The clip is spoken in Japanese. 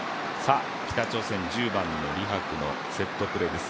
北朝鮮、１０番のリ・ハクのセットプレーです。